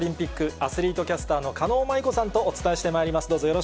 アスリートキャスターの狩野舞子さんとお伝えしてまいります。